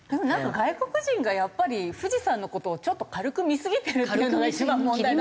外国人がやっぱり富士山の事をちょっと軽く見すぎてるっていうのが一番問題だと思うから。